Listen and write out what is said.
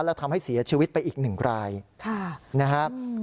และทำให้เสียชีวิตไปอีก๑รายนะครับ